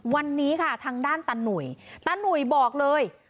วันนี้ค่ะทางด้านตาหนุ่ยตาหนุ่ยบอกเลย